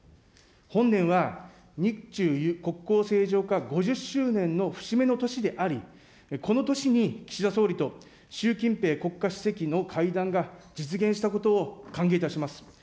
本年は日中国交正常化５０周年の節目の年であり、この年に岸田総理と習近平国家主席の会談が実現したことを歓迎いたします。